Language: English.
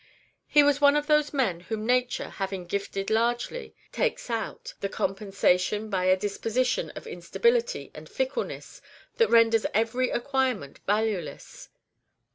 He was one of those men whom Nature, having gifted largely, "takes out" the compensation by a disposition of instability and fickleness that renders every acquirement valueless.